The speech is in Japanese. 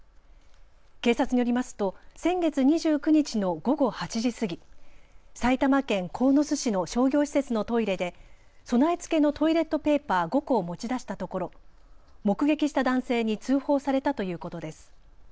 警察によりますと先月２９日の午後８時過ぎ、埼玉県鴻巣市の商業施設のトイレで備え付けのトイレットペーパー５個を持ち出したところ目撃した男性に通報されたということです。